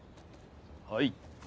はい。